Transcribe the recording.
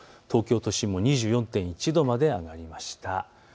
東京都心も２４．１度まで上がりました。